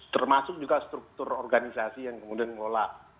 termasuk juga struktur organisasi yang kemudian mengelola